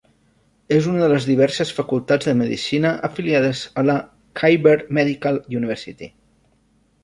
És una de les diverses facultats de medicina afiliades a la Khyber Medical University.